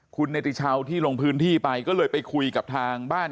คุณเนติชาวที่ลงพื้นที่ไปก็เลยไปคุยกับทางบ้าน